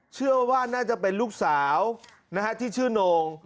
เชื่อว่าน่าจะเป็นลูกสาวที่ชื่อโน่ง